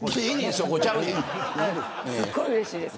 すごいうれしいです。